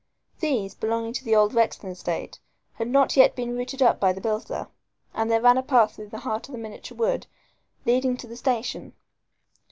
These, belonging to the old Rexton estate, had not yet been rooted up by the builder, and there ran a path through the heart of the miniature wood leading to the station.